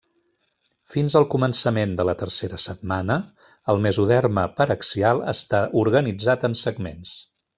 Fins al començament de la tercera setmana el mesoderma paraxial està organitzat en segments.